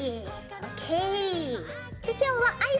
ＯＫ。